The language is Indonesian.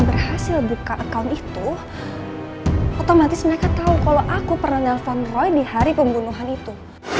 berhasil buka account itu otomatis mereka tahu kalau aku pernah nelfon roy di hari pembunuhan itu